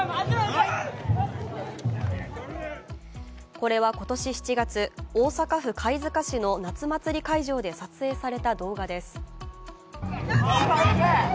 これは今年７月、大阪府貝塚市の夏祭り会場で撮影された動画です。